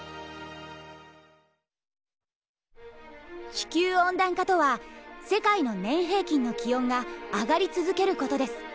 地球温暖化とは世界の年平均の気温が上がり続けることです。